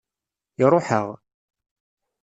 Iṛuḥ-aɣ.